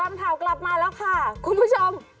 ข่าวกลับมาแล้วค่ะคุณผู้ชม